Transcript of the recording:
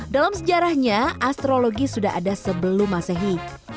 dalam sejarahnya astrologi sudah ada sebelum masehi